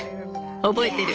覚えてる。